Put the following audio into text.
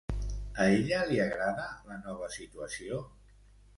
A ella li agrada la nova situació?